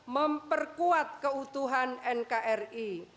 memperkuat keutuhan nkri